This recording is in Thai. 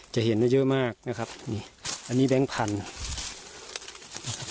จะเห็นได้เยอะมากนะครับนี่อันนี้แบงค์พันธุ์